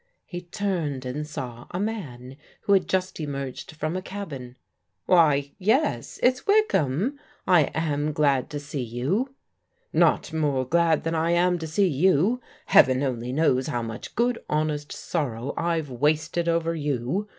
He turned and saw a man who had just emerged from a cabin. *' Why — ^yes, it's Wykham. I am glad to see you." *' Not more glad than I am to see you. Heaven only knows how much good honest sorrow I've wasted over you.